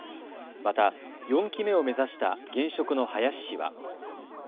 また４期目を目指した現職の林氏は。